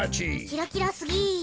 キラキラすぎる。